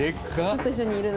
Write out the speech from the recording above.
ずっと一緒にいるので。